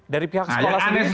dari pihak sekolah sendiri